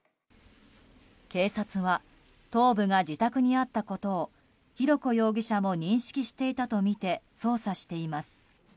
警察は頭部が自宅にあったことを浩子容疑者も認識していたとみて捜査しています。